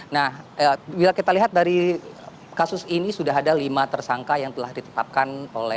nah bila kita lihat dari kasus ini sudah ada lima tersangka yang telah ditetapkan oleh